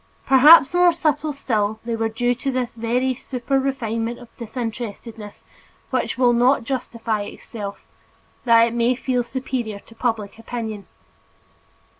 Perhaps more subtle still, they were due to that very super refinement of disinterestedness which will not justify itself, that it may feel superior to public opinion.